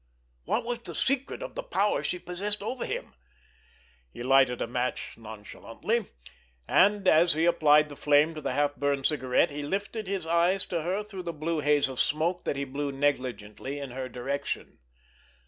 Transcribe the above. What was the secret of the power she possessed over him? He lighted a match nonchalantly, and, as he applied the flame to the half burned cigarette he lifted his eyes to her through the blue haze of smoke that he blew negligently in her direction.